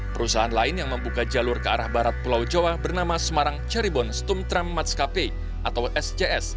perusahaan lain yang membuka jalur ke arah barat pulau jawa bernama semarang ceribon stumtremm matskape atau sjs